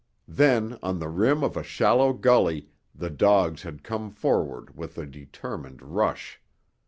Then, on the rim of a shallow gully, the dogs had come forward with a determined rush.